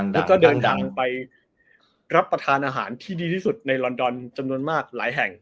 แล้วก็เดินทางไปรับประทานอาหารที่ดีที่สุดในลอนดอนจำนวนมากหลายแห่ง